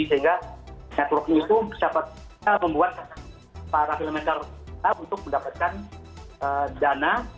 sehingga networking itu bisa membuat para filmmaker tahu untuk mendapatkan dana